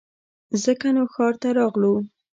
ځکه نو ښار ته راغلو